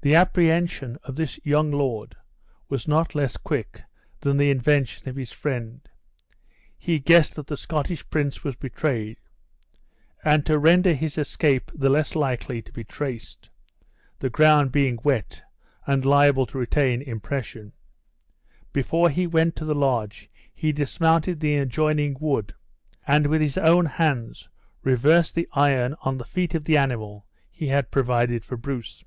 The apprehension of this young lord was not less quick than the invention of his friend. He guessed that the Scottish prince was betrayed; and to render his escape the less likely to be traced (the ground being wet, and liable to retain impression), before he went to the lodge he dismounted in the adjoining wood, and with his own hands reversed the iron on the feet of the animal he had provided for Bruce.